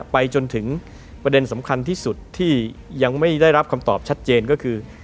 ไปจนถึงประเด็นสำคัญที่สุดที่ยังไม่ได้รับคำตอบชัดเจนก็คือ